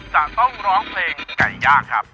จะต้องร้องเพลงไก่ย่างครับ